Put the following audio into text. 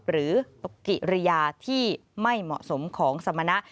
หรือปฏิกิริยาที่ไม่เหมาะสมของสมณะ